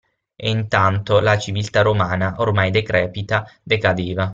E intanto la civiltà romana, ormai decrepita, decadeva.